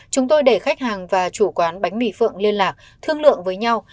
chúng tôi để khách hàng và chủ quán bánh mì phượng liên lạc thương lượng với nhau